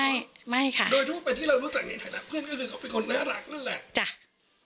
โดยทั่วไปที่เรารู้จักในถ่ายทางเพื่อนก็คือเขาเป็นคนน่ารักนั่นแหละ